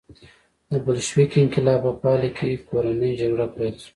د بلشویک انقلاب په پایله کې کورنۍ جګړه پیل شوه.